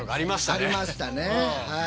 ありましたねはい。